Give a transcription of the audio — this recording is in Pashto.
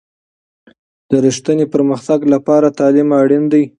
د رښتیني پرمختګ لپاره تعلیم اړین دی.